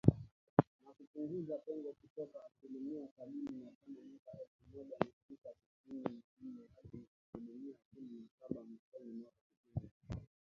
Na kupunguza pengo kutoka asilimia sabini na tano mwaka elfu moja mia tisa tisini na nne hadi asilimia kumi na saba mwishoni mwa kipindi hicho